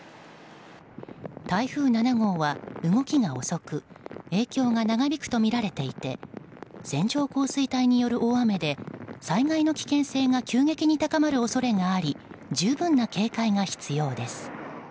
台風７号は動きが遅く影響が長引くとみられていて線状降水帯による大雨で災害の危険性が急激に高まる恐れがあり十分な警戒が必要です。